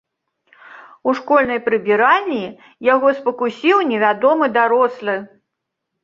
У школьнай прыбіральні яго спакусіў невядомы дарослы.